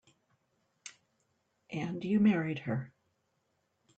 And you married her.